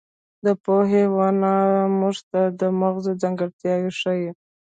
د پوهې ونه موږ ته د مغزو ځانګړتیاوې ښيي.